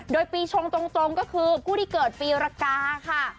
โดยปีชงตรงก็คือผู้ที่เกิดปีรกาค่ะ